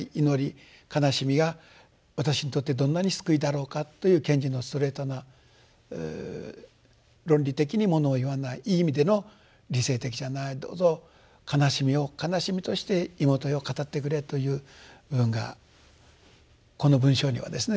悲しみが私にとってどんなに救いだろうかという賢治のストレートな論理的にものを言わないいい意味での理性的じゃない「どうぞ悲しみを悲しみとして妹よ語ってくれ」という部分がこの文章にはですね